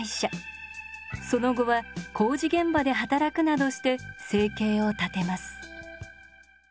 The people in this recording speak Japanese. その後は工事現場で働くなどして生計を立てます。